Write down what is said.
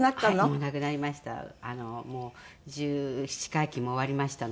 もう十七回忌も終わりましたので。